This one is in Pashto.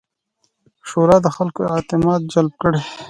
شورا د خلکو اعتماد جلب کړي.